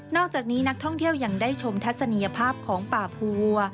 อกจากนี้นักท่องเที่ยวยังได้ชมทัศนียภาพของป่าภูวัว